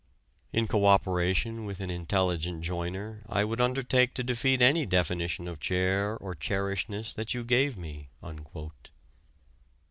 In co operation with an intelligent joiner I would undertake to defeat any definition of chair or chairishness that you gave me."